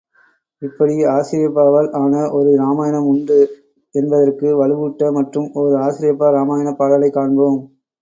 இப்படி ஆசிரியப்பாவால் ஆன ஓர் இராமாயணம் உண்டு என்பதற்கு வலுவூட்ட மற்றும் ஓர் ஆசிரியப்பா இராமயணப் பாடலைக் காண்பாம்!